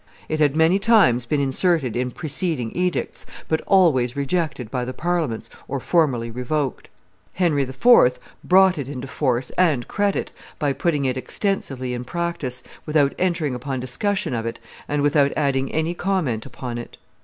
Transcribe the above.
It had many times been inserted in preceding edicts, but always rejected by the Parliaments or formally revoked. Henry IV. brought it into force and credit by putting it extensively in practice, without entering upon discussion of it and without adding any comment upon it.